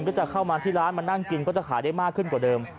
ก็จะเข้ามาที่ร้านมานั่งกินก็จะขายได้มากขึ้นกว่าเดิม